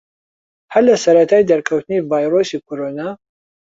هەر لە سەرەتای دەرکەوتنی ڤایرۆسی کۆرۆنا